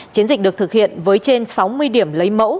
chiến dịch được thực hiện với trên sáu mươi điểm lấy mẫu